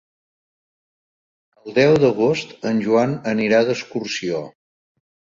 El deu d'agost en Joan anirà d'excursió.